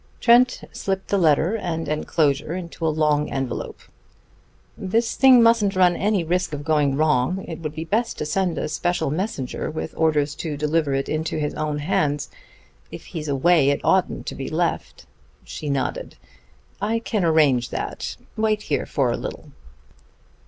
Trent slipped the letter and enclosure into a long envelop. "This thing mustn't run any risk of going wrong. It would be best to send a special messenger with orders to deliver it into his own hands. If he's away it oughtn't to be left." She nodded. "I can arrange that. Wait here for a little."